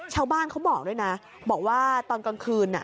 ชาวบ้านเขาบอกด้วยนะบอกว่าตอนกลางคืนอะ